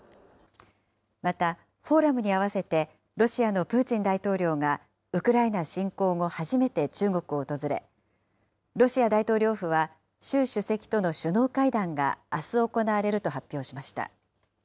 またフォーラムに合わせてロシアのプーチン大統領がウクライナ侵攻後、初めて中国を訪れ、ロシア大統領府は、習主席との首脳会談があす、行われると発表しました。